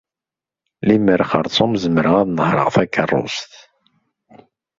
Lemer xeṛṣum zemreɣ ad nehṛeɣ takeṛṛust.